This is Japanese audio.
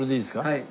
はい。